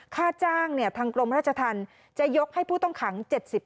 ค่าจ้างทางกรมราชธรรมจะยกให้ผู้ต้องขัง๗๐